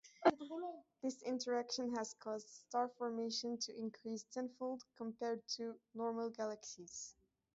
This interaction has caused star formation to increase tenfold compared to "normal" galaxies.